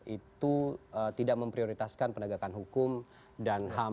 itu tidak memprioritaskan penegakan hukum dan ham